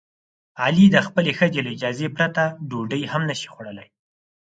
علي د خپلې ښځې له اجازې پرته ډوډۍ هم نشي خوړلی.